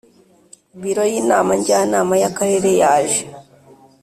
Biro y Inama Njyanama y Akarere yaje